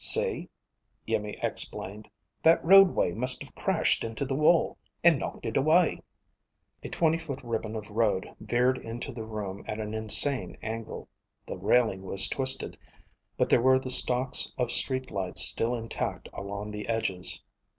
"See," Iimmi explained. "That roadway must have crashed into the wall and knocked it away." A twenty foot ribbon of road veered into the room at an insane angle. The railing was twisted, but there were the stalks of street lights still intact along the edges.